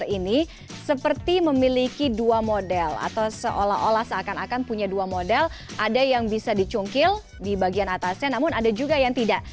ini seperti memiliki dua model atau seolah olah seakan akan punya dua model ada yang bisa dicungkil di bagian atasnya namun ada juga yang tidak